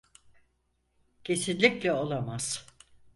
Kesinlikle olamaz.